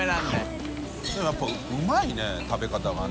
任やっぱうまいね食べ方がね